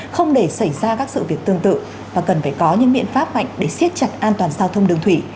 không để xảy ra các sự việc tương tự và cần phải có những biện pháp mạnh để siết chặt an toàn giao thông đường thủy